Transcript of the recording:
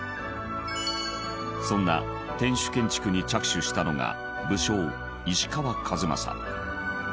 そんな天守建築に着手したのが武将石川数正。